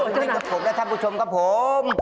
สวัสดีครับท่านผู้ชมกับผม